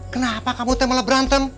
kenapa kamu malah berantem